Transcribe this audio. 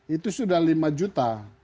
itu sudah lima juta